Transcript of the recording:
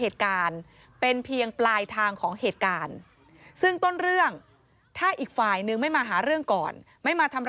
แต่ตอนนั้นมันยังไม่มีคลิปเดินข้ามมาอีกวันหนึ่งแล้วเขาก็คนเก่อแม่เขา